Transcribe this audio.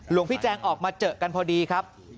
หลวงพี่แจงออกมาเจอกันพอดีครับ